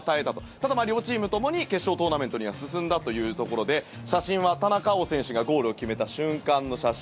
ただ、両チームともに決勝トーナメントには進んだというところで写真は田中碧選手がゴールを決めた瞬間の写真。